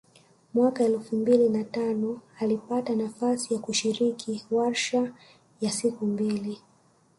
Mwaka elfu mbili na tano alipata nafasi ya kushiriki warsha ya siku mbili